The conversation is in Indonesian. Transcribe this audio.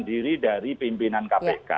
diri dari pimpinan kpk